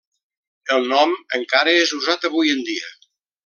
El nom encara és usat avui en dia.